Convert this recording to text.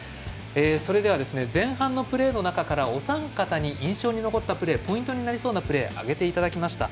それでは、前半のプレーの中からお三方に、印象に残ったプレーポイントになりそうなプレーを挙げていただきました。